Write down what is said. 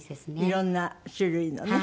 いろんな種類のね。